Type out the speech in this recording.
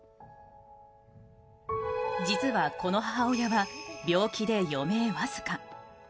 実は、この母親は病気で余命僅か。